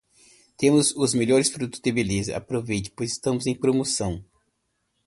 Temos os melhores produtos de beleza. Aproveite, pois estão em promoção.